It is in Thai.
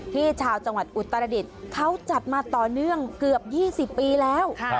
ชาวจังหวัดอุตรดิษฐ์เขาจัดมาต่อเนื่องเกือบ๒๐ปีแล้ว